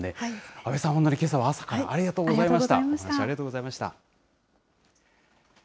阿部さん、本当にけさは朝からありがとうございました。